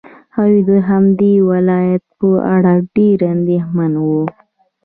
هغوی د همدې ولادت په اړه ډېر اندېښمن وو.